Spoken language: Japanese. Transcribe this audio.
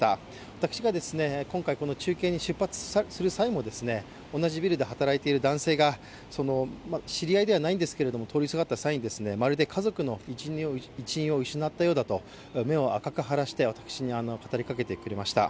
私が今回中継に出発する際も、同じビルで働いている男性が知り合いではないんですけども、通りすがった際にもまるで家族の一員を失ったようだと目を赤く腫らせて私に語りかけてくれました。